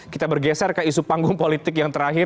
kita bergeser ke isu panggung politik yang terakhir